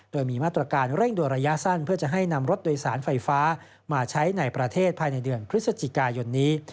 โดยมีมาตรการเร่งด่วนระยะสั้นเพื่อจะให้นำรถโดยสารไฟฟ้ามาใช้ในประเทศภายในเดือนพฤศจิกายนนี้